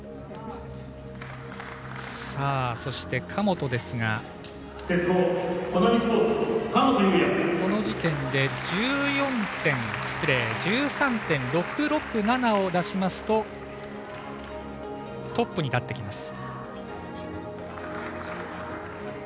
そして、神本ですがこの時点で１３．６６７を出しますとトップに立ってきます。